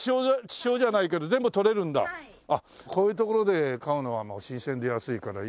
こういう所で買うのは新鮮で安いからいいよ。